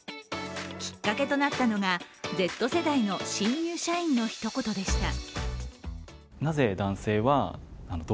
きっかけとなったのが、Ｚ世代の新入社員の一言でした。